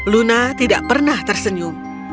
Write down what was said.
luna tidak pernah tersenyum